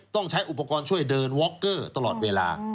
ต้องใช้อุปกรณ์ช่วยเดินวอคเกอร์ตลอดเวลา